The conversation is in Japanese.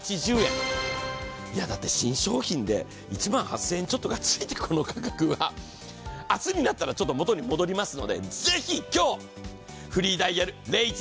だって、新商品で１万８０００円ちょっとがついてこの価格は、明日になったら元に戻りますのでぜひ今日！